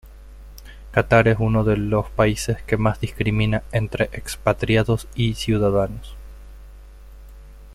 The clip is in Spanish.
Catar es uno de los países que más discrimina entre expatriados y ciudadanos.